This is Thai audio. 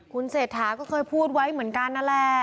คุณเศรษฐาก็เคยพูดไว้เหมือนกันนั่นแหละ